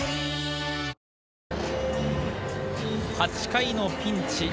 ８回のピンチ。